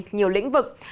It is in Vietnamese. nhiều lĩnh vực